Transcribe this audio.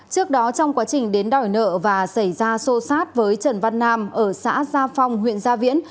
trước đó trong quá trình đến đòi nợ và xảy ra xô xát với trần văn nam ở xã gia phong huyện gia viễn